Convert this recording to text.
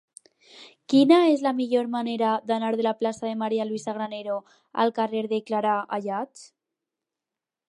Quina és la millor manera d'anar de la plaça de María Luisa Granero al carrer de Clarà Ayats?